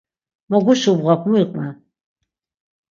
Mo guşubğap mu iqven.